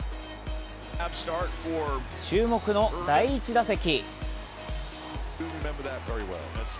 注目の第１打席。